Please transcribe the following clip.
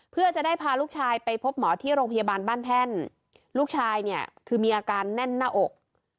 เพื่อจะได้พาลูกชายไปพบหมอที่โรงพยาบาลบ้านแท่นลูกชายเนี่ยคือมีอาการแน่นหน้าอก